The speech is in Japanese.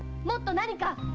もっと何か。